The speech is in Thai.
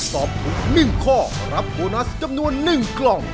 ตอบถูก๑ข้อรับโบนัสจำนวน๑กล่อง